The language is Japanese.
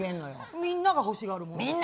みんなが欲しがるもの